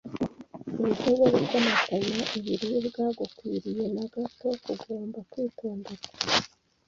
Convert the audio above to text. Uburyo bwo gukomatanya ibiribwa gukwiriye na ko kugomba kwitonderwa